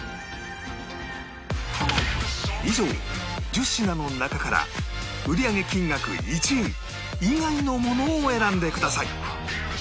以上１０品の中から売上金額１位以外のものを選んでください